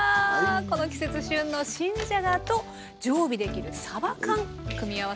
この季節旬の新じゃがと常備できるさば缶組み合わせたグラタンです。